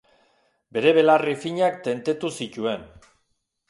Bere belarri finak tentetu zituen.